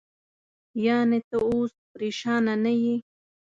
یعنې، ته اوس پرېشانه نه یې؟